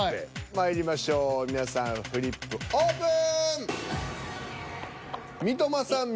まいりましょう皆さんフリップオープン！